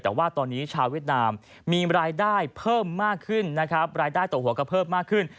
แต่ว่าตอนนี้ชาวเวียดนามมีรายได้เพิ่มมากขึ้นนะครับรายได้ต่อหัวก็เพิ่มมากขึ้น